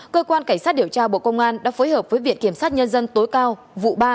cơ quan cảnh sát điều tra bộ công an đã phối hợp với viện kiểm sát nhân dân tối cao vụ ba